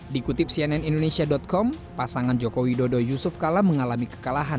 di kutip cnn indonesia com pasangan jokowi dodo yusuf kalah mengalami kekalahan